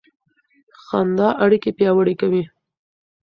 خندا اړیکې پیاوړې کوي.